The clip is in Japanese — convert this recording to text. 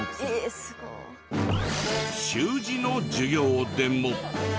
習字の授業でも。